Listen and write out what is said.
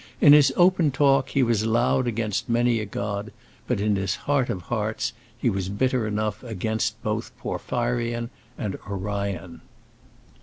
In his open talk he was loud against many a god; but in his heart of hearts he was bitter enough against both Porphyrion and Orion.